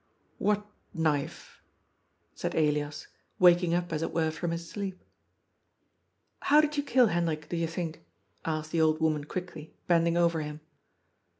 " What knife? " said Elias, waking up, as it were, from . his sleep. " How did you kill Hendrik, do you think ?" asked the old woman quickly, bending over him.